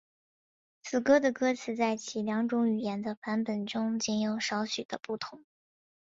此歌的歌词在其两种语言的版本中仅有少许的不同。